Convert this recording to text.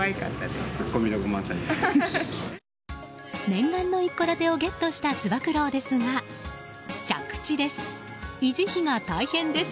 念願の一戸建てをゲットしたつば九郎ですが借地です。